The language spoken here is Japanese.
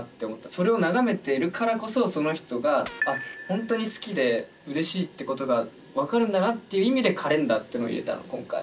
それを眺めてるからこそその人が本当に好きで嬉しいってことが分かるんだなっていう意味で「カレンダー」ってのを入れたの今回。